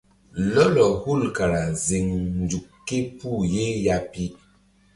Lɔlɔ hul kara ziŋ nzuk ké puh ye ya pi.